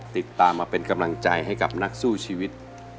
ติดตามมาเป็นกำลังใจให้กับนักสู้ชีวิต